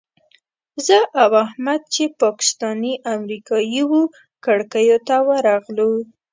زه او احمد چې پاکستاني امریکایي وو کړکیو ته ورغلو.